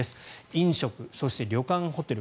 飲食、そして旅館・ホテル